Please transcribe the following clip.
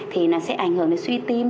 thì nó sẽ ảnh hưởng đến suy tìm